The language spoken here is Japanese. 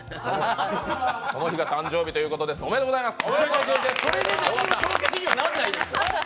その日が誕生日ということです、おめでとうございます！